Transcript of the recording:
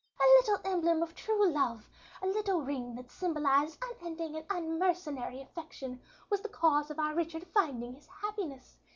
A little emblem of true love—a little ring that symbolised unending and unmercenary affection—was the cause of our Richard finding his happiness.